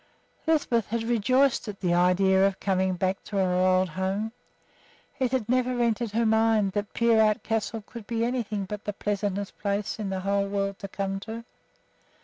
Lisbeth had rejoiced at the idea of coming back to her old home. It had never entered her mind that Peerout Castle could be anything but the pleasantest place in the whole world to come to.